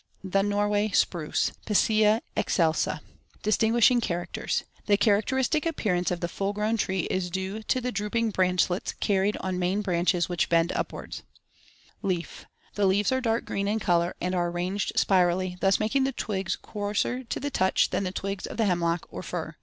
THE NORWAY SPRUCE (Picea excelsa) Distinguishing characters: The characteristic appearance of the full grown tree is due to the *drooping branchlets* carried on *main branches which bend upward* (Fig. 7). Leaf: The leaves are dark green in color and are arranged spirally, thus making the twigs coarser to the touch than the twigs of the hemlock or fir.